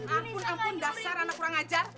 ampun dasar anak kurang ajar